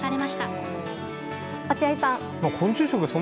落合さん。